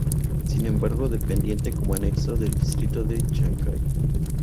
Sin embargo dependiente como anexo del distrito de Chancay.